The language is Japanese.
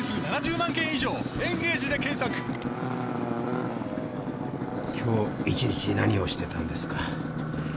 どうぞ。今日一日何をしてたんですか？